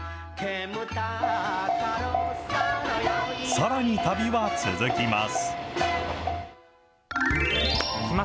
さらに旅は続きます。